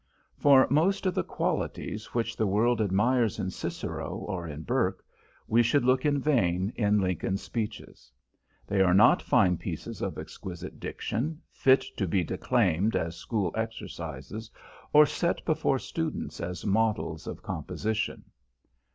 For most of the qualities which the world admires in Cicero or in Burke we should look in vain in Lincoln's speeches. They are not fine pieces of exquisite diction, fit to be declaimed as school exercises or set before students as models of composition.